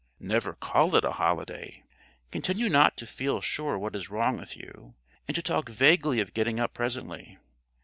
Never call it a holiday. Continue not to feel sure what is wrong with you, and to talk vaguely of getting up presently.